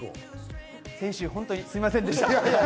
先週はすみませんでした。